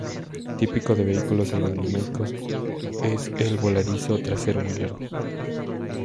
Típico de vehículos aerodinámicos es el voladizo trasero muy largo.